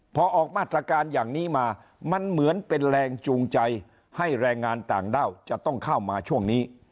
พอออกมาตรการอย่างนี้มามันเหมือนเป็นแรงจูงใจให้แรงงานต่างด้าวจะต้องเข้ามาช่วงนี้